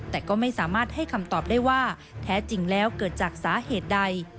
แต่ก็ไม่สามารถให้คำตอบได้ว่าแท้จริงแล้วเกิดจากสาเหตุใด